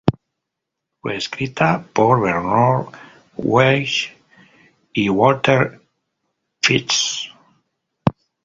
Fue escrita por Bernhard Weiss y Walter Pietsch.